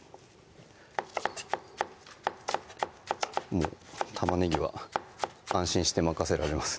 もう玉ねぎは安心して任せられます